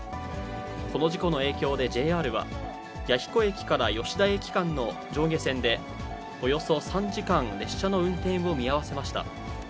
この事故の影響でＪＲは、弥彦駅から吉田駅間の上下線で、およそ３時間、列車の運転を見合わせました。